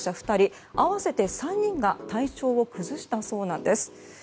２人合わせて３人が体調を崩したそうなんです。